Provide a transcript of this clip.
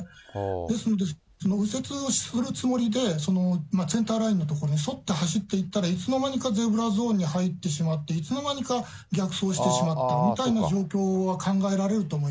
ですので、その右折をするつもりで、センターラインの所に沿って走っていったら、いつの間にかゼブラゾーンに入ってしまって、いつの間にか逆走してしまったみたいな状況は考えられると思いま